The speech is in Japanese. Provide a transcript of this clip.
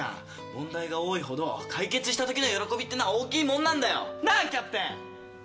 問題が多いほど解決したときの喜びっていうのは大きいもんなんだよ。なあキャプテン。